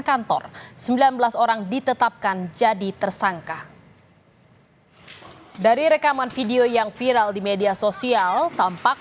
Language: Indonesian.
kantor sembilan belas orang ditetapkan jadi tersangka dari rekaman video yang viral di media sosial tampak